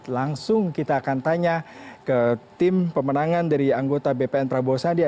langsung kita akan tanya ke tim pemenangan dari anggota bpn prabowo sandia